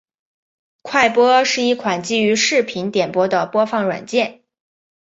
快播是一款基于视频点播的播放软件。